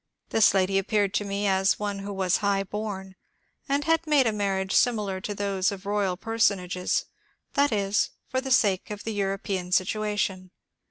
This lady appeared to me as one who was high bom and had made a marriage similar to those of royal personages, that is, for the sake of the European sit uation.